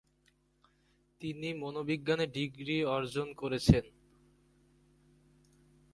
তিনি মনোবিজ্ঞানে ডিগ্রি অর্জন করেছেন।